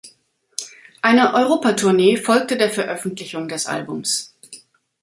Eine Europatournee folgte der Veröffentlichung des Albums.